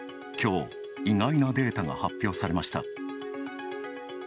きょう、意外なデータが発表されました。